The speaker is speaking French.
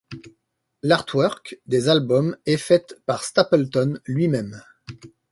L'artwork des albums est faite par Stapleton lui-même.